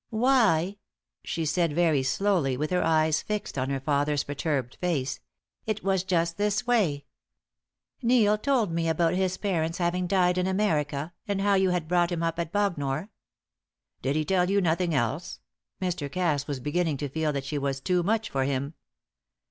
"Why," she said, very slowly, with her eyes fixed on her father's perturbed face, "it was just this way. Neil told me all about his parents having died in America, and how you had brought him up at Bognor." "Did he tell you nothing else?" Mr. Cass was beginning to feel that she was too much for him.